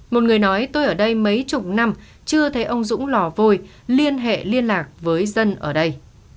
một người nói tôi ở đây mấy chục năm chưa thấy ông dũng lò vôi liên hệ liên lạc với dân ở đây